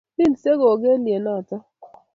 Lilsei kokeliet notok